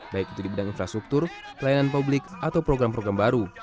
baik itu di bidang infrastruktur pelayanan publik atau program program baru